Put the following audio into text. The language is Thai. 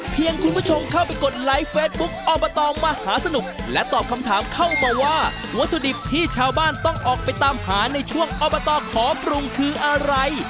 คุณผู้ชมเข้าไปกดไลค์เฟซบุ๊คอบตมหาสนุกและตอบคำถามเข้ามาว่าวัตถุดิบที่ชาวบ้านต้องออกไปตามหาในช่วงอบตขอปรุงคืออะไร